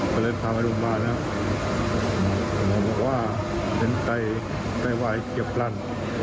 ก็เลยพามาโรงพยาบาลนะหมอบอกว่าเป็นไตไตวายเฉียบพลัน